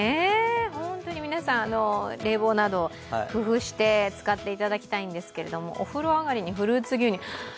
皆さん、冷房など工夫して使っていただきたいんですけれどもお風呂上がりにフルーツ牛乳。